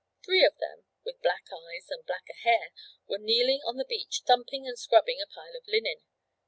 Three of them, with black eyes and blacker hair, were kneeling on the beach thumping and scrubbing a pile of linen.